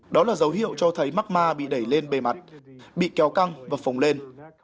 đó là dấu hiệu cho thấy macma bị đẩy lên bề mặt bị kéo căng và phồng lên